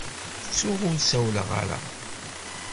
Ttuɣ ur sawleɣ ara.